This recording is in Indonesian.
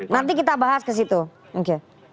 nanti kita bahas ke situ oke